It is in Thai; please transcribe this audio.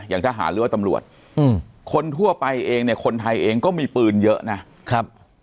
อย่างทหารเลือดตำรวจคนทั่วไปเองเนี่ยคนไทยเองก็มีปืนเยอะนะ